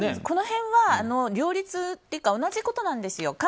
この辺は両立というか同じことなんですよ。